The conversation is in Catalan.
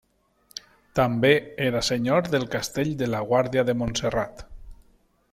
També era senyor del castell de la Guàrdia de Montserrat.